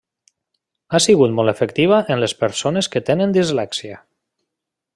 Ha sigut molt efectiva en les persones que tenen dislèxia.